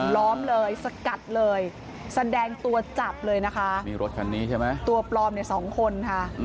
ล้อมเลยสกัดเลยแสดงตัวจับเลยนะคะนี่รถคันนี้ใช่ไหมตัวปลอมเนี่ยสองคนค่ะ